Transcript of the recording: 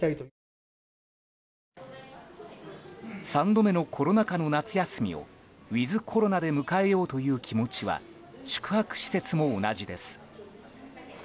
３度目のコロナ禍の夏休みをウィズコロナで迎えようという気持ちは宿泊施設も同じです。